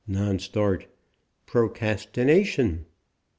NON.START.PROCRASTINATION.